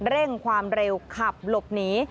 เร่งความเร็วขับหลบหนี